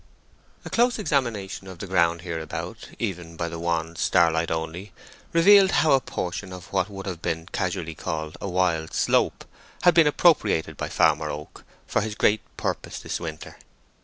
A close examination of the ground hereabout, even by the wan starlight only, revealed how a portion of what would have been casually called a wild slope had been appropriated by Farmer Oak for his great purpose this winter.